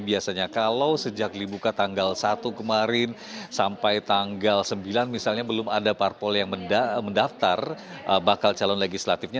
biasanya kalau sejak dibuka tanggal satu kemarin sampai tanggal sembilan misalnya belum ada parpol yang mendaftar bakal calon legislatifnya